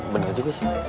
bener juga sih